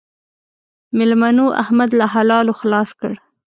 مېلمنو؛ احمد له حلالو خلاص کړ.